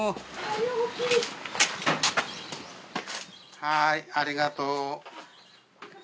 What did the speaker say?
はいありがとう。